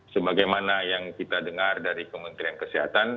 sebagaimana yang kita dengar dari kementerian kesehatan